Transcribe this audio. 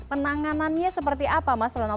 penanganannya seperti apa mas ronald